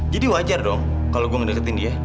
jadi wajar dong kalo gue ngedeketin dia